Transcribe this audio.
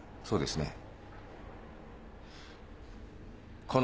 そうですね？